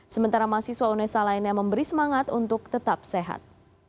sementara mahasiswa unesa lainnya memberi semangat untuk tetap sehat